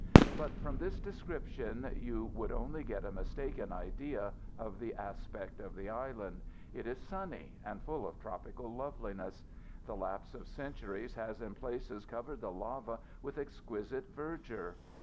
"But from this description you would get only a mistaken idea of the aspect of the island. It is sunny and full of tropical loveliness. The lapse of centuries has in places covered the lava with exquisite verdure.